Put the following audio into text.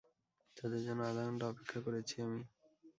তাদের জন্য আধা ঘন্টা অপেক্ষা করেছি আমি।